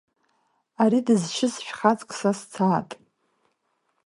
Ари дызшьыз шәхаҵк са сцаат!